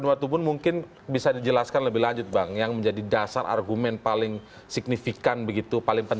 itu mungkin biliatkan sudah masuk ke dalam tujuh tahun untuk menimpa data ket quantity website